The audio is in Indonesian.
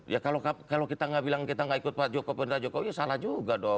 ya kalau kita nggak bilang kita nggak ikut pak jokowi perintah jokowi salah juga dong